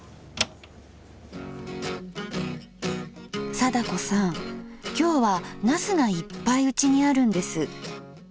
貞子さん今日は茄子がいっぱいうちにあるんです。